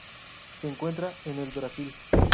Se encuentra en el Brasil.